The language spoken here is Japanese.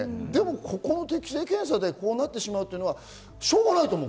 ここの適性検査でこうなってしまうというのはしょうがないと思う。